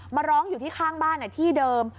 มาร้องอยู่ที่ข้างบ้านที่เดิม